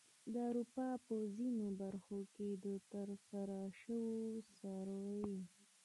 د اروپا په ځینو برخو کې د ترسره شوې سروې